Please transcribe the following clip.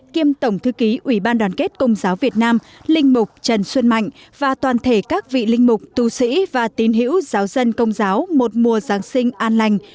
kiêm tổng thư ký ủy ban đoàn kết công giáo việt nam linh mục trần xuân mạnh và toàn thể các vị linh mục tù sĩ và tín hiểu giáo dân công giáo một mùa giáng sinh an lành